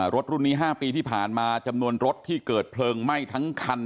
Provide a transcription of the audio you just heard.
รุ่นนี้๕ปีที่ผ่านมาจำนวนรถที่เกิดเพลิงไหม้ทั้งคัน